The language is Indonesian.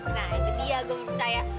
nah itu dia gue percaya